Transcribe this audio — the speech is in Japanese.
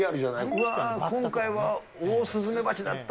うわー、今回はオオスズメバチだった。